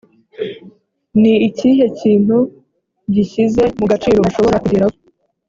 ni ikihe kintu gishyize mu gaciro ushobora kugeraho ?